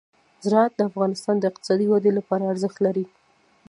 زراعت د افغانستان د اقتصادي ودې لپاره ارزښت لري.